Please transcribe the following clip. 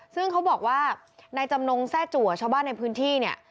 ซึ่งเขาบอกว่านายจำนงแซ่จัวชาวบ้านในพื้นที่เนี่ย